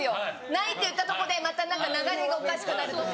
「ない」って言ったとこでまた何か流れがおかしくなるとか。